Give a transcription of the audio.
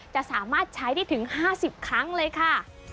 จะสามารถใช้ได้ถึง๕๐ครั้งเลยค่ะ